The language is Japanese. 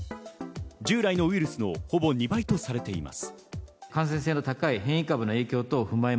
従来のウイルスのほぼ２倍とされています。